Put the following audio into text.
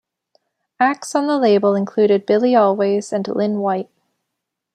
Acts on the label included Billy Always and Lynn White.